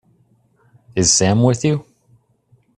Is Sam with you?